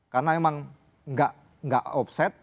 karena emang enggak enggak offset